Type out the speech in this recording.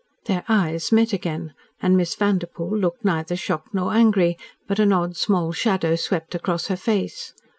Their eyes met again, and Miss Vanderpoel looked neither shocked nor angry, but an odd small shadow swept across her face.